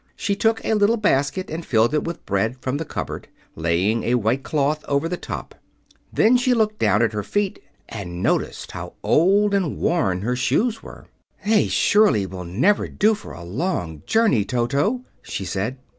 She took a little basket and filled it with bread from the cupboard, laying a white cloth over the top. Then she looked down at her feet and noticed how old and worn her shoes were. "They surely will never do for a long journey, Toto," she said.